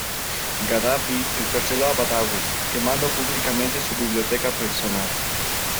Gaddafi encarceló a Badawi, quemando públicamente su biblioteca personal.